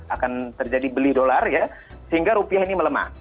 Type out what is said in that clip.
akan terjadi beli dolar ya sehingga rupiah ini melemah